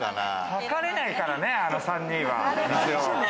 量れないからね、あの３人は。